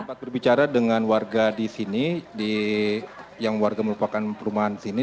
sempat berbicara dengan warga di sini yang warga merupakan perumahan sini